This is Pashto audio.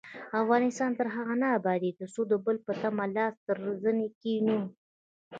افغانستان تر هغو نه ابادیږي، ترڅو د بل په تمه لاس تر زنې کښينو.